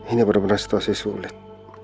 ini benar benar situasi sulit